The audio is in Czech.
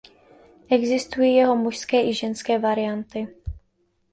Existují jeho mužské i ženské varianty.